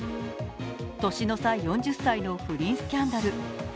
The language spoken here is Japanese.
年の差４０歳の不倫スキャンダル。